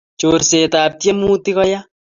chorsetab tyemutik ko ya.